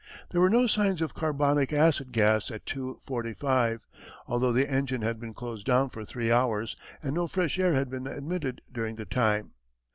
There were no signs of carbonic acid gas at 2.45, although the engine had been closed down for three hours and no fresh air had been admitted during the time.